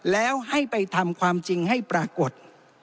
แล้วให้ไปทำความจริงให้ปรากฏ